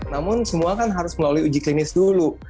namun semua kan harus melalui uji klinis dulu